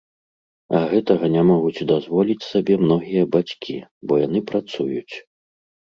А гэтага не могуць дазволіць сабе многія бацькі, бо яны працуюць.